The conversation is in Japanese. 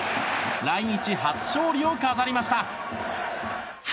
来日初勝利を飾りました。